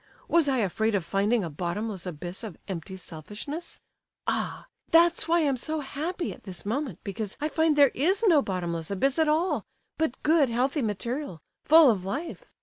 Was I afraid of finding a bottomless abyss of empty selfishness? Ah! that's why I am so happy at this moment, because I find there is no bottomless abyss at all—but good, healthy material, full of life.